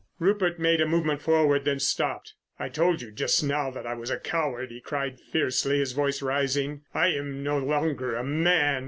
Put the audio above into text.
Rupert made a movement forward, then stopped. "I told you just now that I was a coward," he cried fiercely, his voice rising. "I am no longer a man.